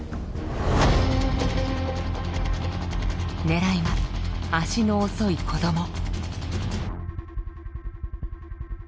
狙いは足の遅い子ども。